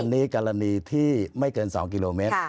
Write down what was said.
อันนี้กรณีที่ไม่เกิน๒กิโลเมตร